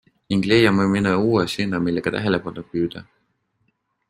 Ning leiame mõne uue sõna, millega tähelepanu püüda.